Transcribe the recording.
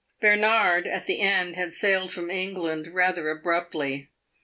Bernard, at the end, had sailed from England rather abruptly.